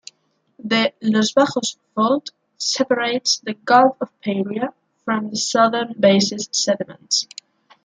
The Los Bajos fault separates the Gulf of Paria from the Southern basin sediments.